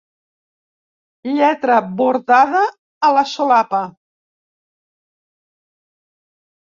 Lletra bordada a la solapa.